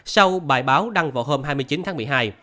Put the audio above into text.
sau bài báo đăng vào hôm hai mươi chín tháng một mươi hai